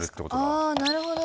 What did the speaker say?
あなるほど。